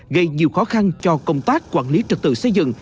gây nhiều khó khăn cho công tác quản lý trật tự xây dựng